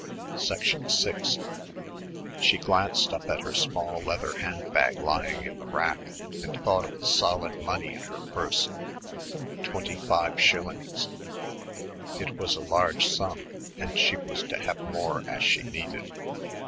6 She glanced up at her small leather hand bag lying in the rack and thought of the solid money in her purse. Twenty five shillings. It was a large sum and she was to have more as she needed.